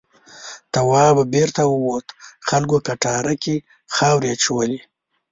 تواب بېرته ووت خلکو کټاره کې خاورې اچولې.